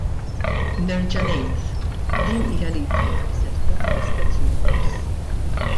Nerġa' ngħid, din hija liġi li se tkun fuq l-istatute books.